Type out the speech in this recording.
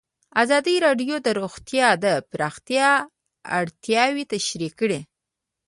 ازادي راډیو د روغتیا د پراختیا اړتیاوې تشریح کړي.